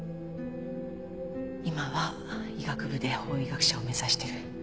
今は医学部で法医学者を目指してる。